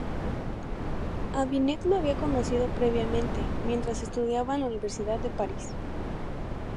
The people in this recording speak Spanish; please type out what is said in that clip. A Binet lo había conocido previamente, mientras estudiaba en la Universidad de París.